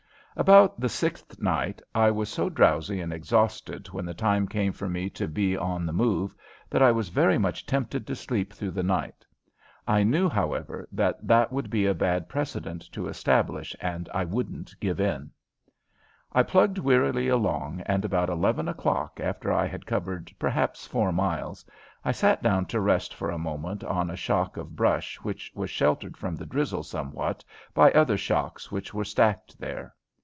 About the sixth night I was so drowsy and exhausted when the time came for me to be on the move that I was very much tempted to sleep through the night. I knew, however, that that would be a bad precedent to establish and I wouldn't give in. I plugged wearily along and about eleven o'clock, after I had covered perhaps four miles, I sat down to rest for a moment on a shock of brush which was sheltered from the drizzle somewhat by other shocks which were stacked there.